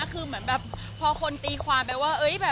เพาห์คนตีควานไปว่า